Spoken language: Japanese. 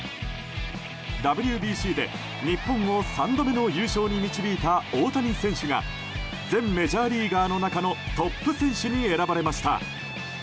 ＷＢＣで、日本を３度目の優勝に導いた大谷選手が全メジャーリーガーの中のトップ選手に選ばれました。